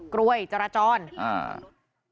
กล้วยจรจอลอ่า